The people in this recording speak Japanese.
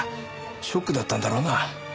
ショックだったんだろうな。